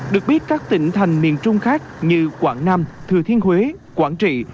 được biết các tỉnh thành miền trung khác như quảng nam thừa thiên huế quảng trị